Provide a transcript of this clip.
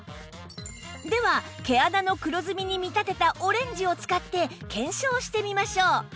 では毛穴の黒ずみに見立てたオレンジを使って検証してみましょう